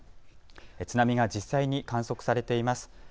津波が実際に観測されています。